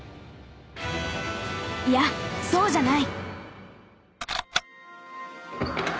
いやそうじゃない！